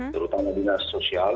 terutama dinas sosial